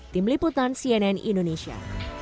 tim liputan cnn indonesia